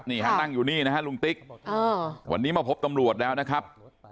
นี่ฮะนั่งอยู่นี่นะฮะลุงติ๊กวันนี้มาพบตำรวจแล้วนะครับ